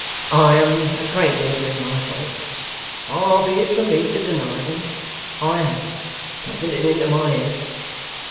'I am acquainted with my faults. Far be it from me to deny them. I HAVE taken it into my head.